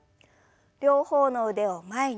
両方の腕を前に。